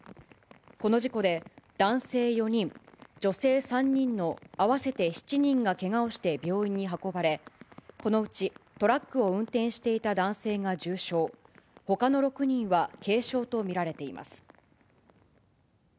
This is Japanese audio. この事故で、男性４人、女性３人の合わせて７人がけがをして病院に運ばれ、このうちトラックを運転していた男性が重傷、ほかの６人は軽傷と見られています。